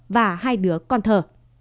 và hai đứa con thờ